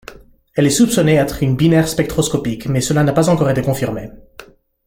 Elle est soupçonnée être une binaire spectroscopique, mais cela n'a pas encore été confirmé.